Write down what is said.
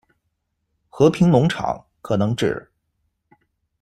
和平农场，可能指：